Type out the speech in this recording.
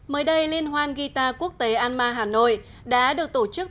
mới đây liên hoan guitar quốc tế an ma hà nội đã được tổ chức